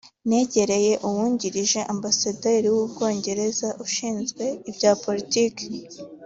negereye uwungirije ambasaderi w’u Bwongereza ushinzwe ibya Politiki